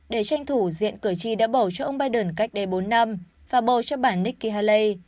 để tranh thủ diện cử tri đã bầu cho ông biden cách đây bốn năm và bầu cho bản nikki haley